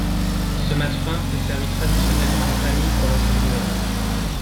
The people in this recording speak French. Ce matefaim est servi traditionnellement en famille pour la Chandeleur.